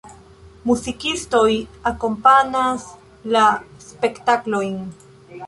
Muzikistoj akompanas la spektaklojn.